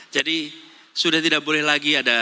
jadi sudah tidak boleh lagi ada